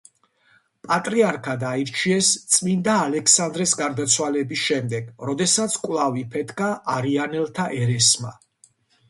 პატრიარქად აირჩიეს წმინდა ალექსანდრეს გარდაცვალების შემდეგ, როდესაც კვლავ იფეთქა არიანელთა ერესმა.